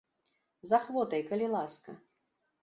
З ахвотай, калі ласка.